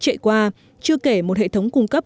chạy qua chưa kể một hệ thống cung cấp